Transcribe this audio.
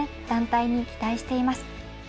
団体に期待しています！！